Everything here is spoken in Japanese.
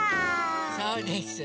そうです。